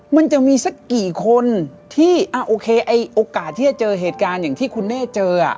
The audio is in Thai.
มันจะมีสักกี่คนที่โอเคไอ้โอกาสที่จะเจอเหตุการณ์อย่างที่คุณเน่เจอ